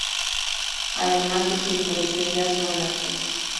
Además sus inflorescencias son laxas.